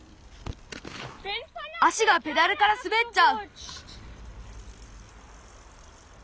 足がペダルからすべっちゃう！